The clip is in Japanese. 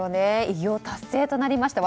偉業達成となりました。